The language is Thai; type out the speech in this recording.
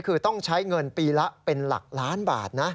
คือต้องใช้เงินปีละเป็นหลักล้านบาทนะ